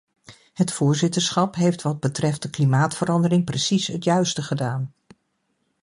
Het voorzitterschap heeft wat betreft de klimaatverandering precies het juiste gedaan.